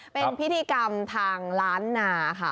เป็นพิธีกรรมทางล้านนาค่ะ